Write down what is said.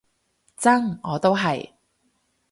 真，我都係